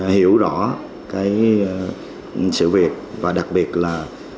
hiểu rõ sự việc và đặc biệt là